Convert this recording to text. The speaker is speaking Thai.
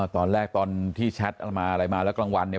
ตอนแรกตอนที่แชทอะไรมาอะไรมาแล้วกลางวันเนี่ย